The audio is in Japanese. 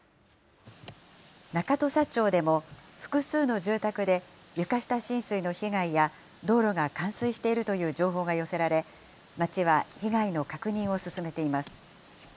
中土佐町でも、複数の住宅で床下浸水の被害や、道路が冠水しているという情報が寄せられ、町は被害の確認を進めています。